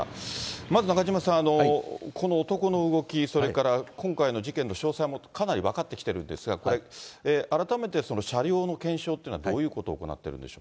まず中島さん、この男の動き、それから今回の事件の詳細もかなり分かってきてるんですが、これ、改めてその車両の検証というのは、どういうことを行ってるんでしょ